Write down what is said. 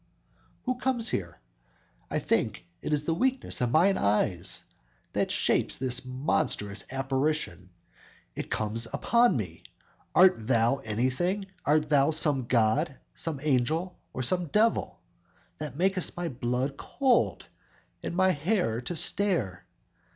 who comes here? I think it is the weakness of mine eyes, That shapes this monstrous apparition. It comes upon me! Art thou anything? Art thou some god, some angel or some devil, That makest my blood cold, and my hair to stare?